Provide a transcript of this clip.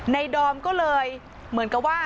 ดอมก็เลยเหมือนกับว่า